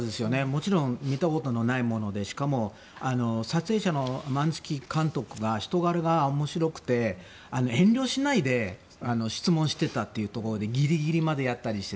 もちろん、見たことないものでしかも撮影者のマンスキー監督が人柄が面白くて遠慮しないで質問してたっていうところでギリギリまでやったりして。